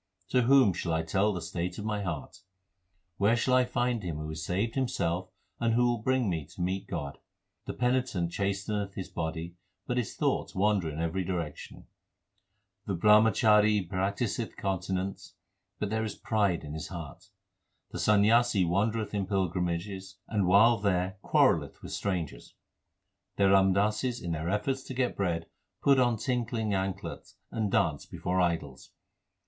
To whom shall I tell the state of my heart ? Where shall I find him who is saved himself and who will bring me to meet God ? The penitent chasteneth his body, but his thoughts wander in every direction. The Brahmachari practiseth continence, but there is pride in his heart. The Sanyasi wandereth in pilgrimages and while there quarrelleth with strangers. 1 The Ramdasis 2 in their efforts to get bread put on tinkling anklets, and dance before idols.